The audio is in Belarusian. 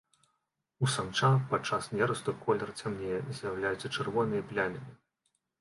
У самца падчас нерасту колер цямнее, з'яўляюцца чырвоныя пляміны.